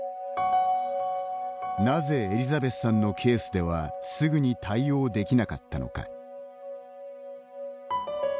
なぜエリザベスさんのケースではすぐに対応できなかったのか。